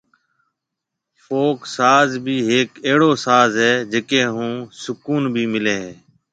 فوڪ ساز بِي هيڪ اهڙو ساز هي جڪي هون سُڪون بي ملي هي